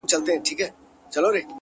په وينو لژنده اغيار وچاته څه وركوي ـ